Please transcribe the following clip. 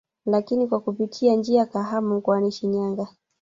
Lakini kwa kupitia njia Kahama mkoani Shinyanaga